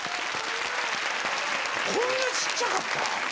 こんなちっちゃかった？